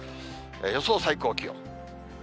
予想最高気温。